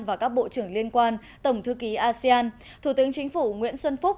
và các bộ trưởng liên quan tổng thư ký asean thủ tướng chính phủ nguyễn xuân phúc